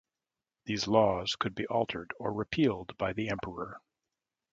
These laws could be altered or repealed by the emperor.